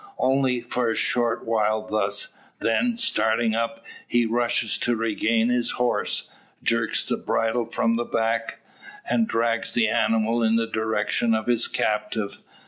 Only for a short while thus; then, starting up, he rushes to regain his horse, jerks the bridle from the back, and drags the animal in the direction of his captive.